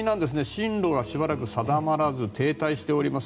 進路がしばらく定まらず停滞しております。